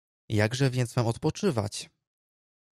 "Jakże więc mam odpoczywać?"